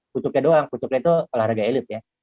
kutubnya doang kucuknya itu olahraga elit ya